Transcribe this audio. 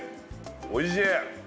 おいしい。